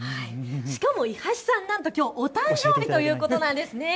しかも伊橋さん、なんときょうお誕生日ということなんです。